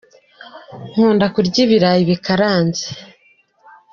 Nkunda kurya ibirayi bikaranze.